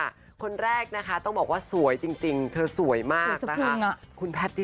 คนแรกนะคะต้องบอกว่าสวยจริงเธอสวยมากนะคะ